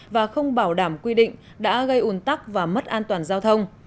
và không bảo đảm quy định đã gây ủn tắc và mất an toàn giao thông